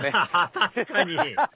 確かに！